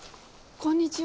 こんにちは。